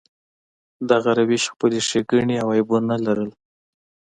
دغه روش خپلې ښېګڼې او عیبونه لرل.